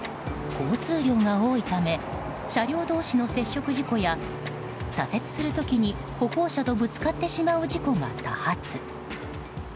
交通量が多いため車両同士の接触事故や左折する時に歩行者とぶつかってしまう事故が多発。